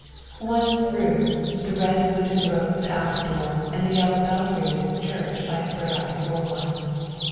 Once through, the red fluted roofs of Alcador and the yellow belfry of its church lie spread out before one.